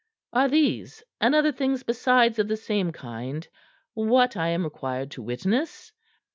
Are these and other things besides of the same kind what I am required to witness?